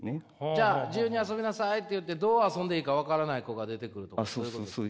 じゃあ「自由に遊びなさい」って言ってどう遊んでいいか分からない子が出てくるとかそういうことですか？